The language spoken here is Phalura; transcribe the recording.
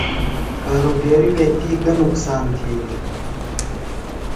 کارُوبیریۡ وے تی گہ نُقصان تِھیلیۡ؟